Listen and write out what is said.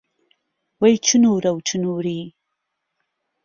وەی چنوورە و چنووری